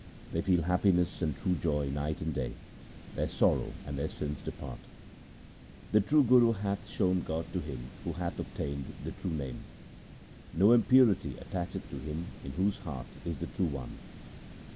They feel happiness and true joy night and day ; their sorrow and their sins depart. The true Guru hath shown God to him who hath obtained the true Name ; no impurity attacheth to him in whose heart is the True One.